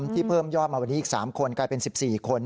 ที่เพิ่มยอมมา๓คนกลายเป็น๑๔คน